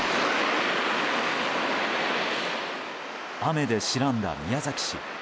雨で白んだ宮崎市。